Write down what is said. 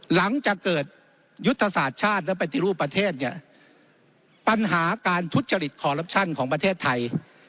หลังจากเกิดยุทธศาสตร์ชาติและปฏิรูปประเทศเนี่ยปัญหาการทุจริตคอลลับชั่นของประเทศไทย